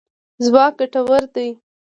ځواک ګټور دی.